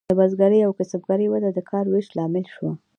د بزګرۍ او کسبګرۍ وده د کار ویش لامل شوه.